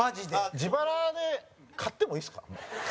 自腹で買ってもいいですか？